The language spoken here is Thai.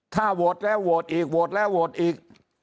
ถ้าโหวตแล้วโหวตอีกโหวตแล้วโหวตอีก